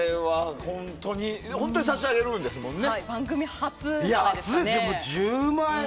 本当に差し上げるんですもんね。